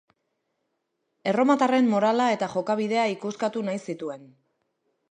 Erromatarren morala eta jokabidea ikuskatu nahi zituen.